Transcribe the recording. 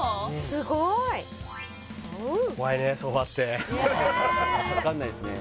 すごいおう分かんないっすね